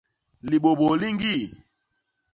Libôbôl li ñgii.